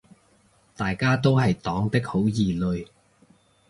大家都是黨的好兒女